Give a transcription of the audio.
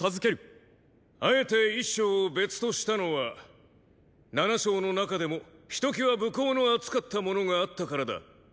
あえて一将を別としたのは七将の中でもひときわ武功の厚かった者があったからだ。